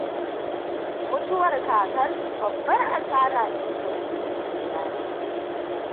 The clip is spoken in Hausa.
Mutuwar kakar babbar asara ce ga dukkan iyalin.